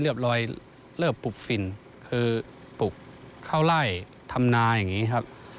คือปลูกข้าวไล่ทำนายอย่างนี้ครับ